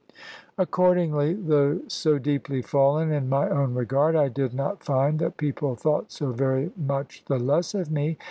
Accordingly, though so deeply fallen in my own regard, I did not find that people thought so very much the less of me.